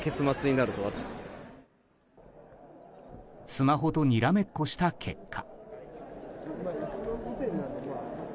スマホとにらめっこした結果。